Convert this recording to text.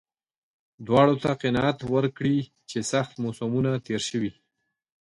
دواړو ته قناعت ورکړي چې سخت موسمونه تېر شوي.